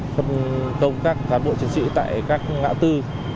phân công các cán bộ chiến sĩ tại các ngã tư